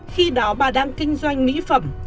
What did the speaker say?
khi đó bà đang kinh doanh mỹ phẩm